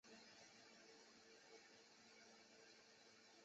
迷人之处是笑容。